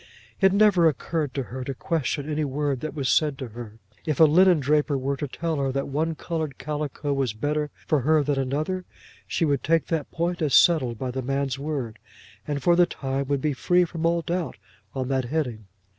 It never occurred to her to question any word that was said to her. If a linen draper were to tell her that one coloured calico was better for her than another, she would take that point as settled by the man's word, and for the time would be free from all doubt on that heading.